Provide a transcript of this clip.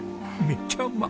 めっちゃうま！